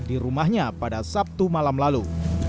di rumahnya pada sabtu malam lalu